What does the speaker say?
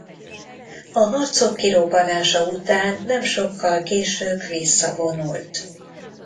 A harcok kirobbanása után nem sokkal később visszavonult.